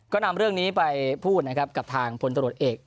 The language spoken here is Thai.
ก็นำเรื่องนี้ไปพูดนะครับกับทางพลตรวจเอก